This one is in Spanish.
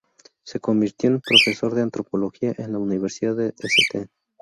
Se convirtió en profesor de antropología en la Universidad de St.